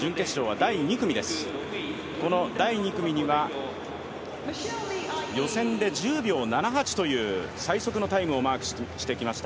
第２組には予選で１０秒７８という最速のタイムをマークしてきました